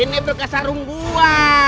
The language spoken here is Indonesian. ini berkasarung gua